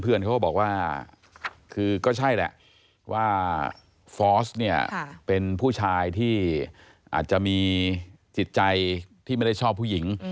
เพื่อนเขาก็บอกว่าก็ใช่แหละว่าฟอสเป็นผู้ชายที่อาจจะมีจิตใจที่ไม่ได้ชอบผู้หญิง